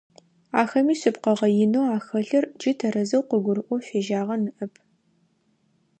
Ахэми шъыпкъэгъэ инэу ахэлъыр джы тэрэзэу къыгурыӀоу фежьагъэ ныӀэп.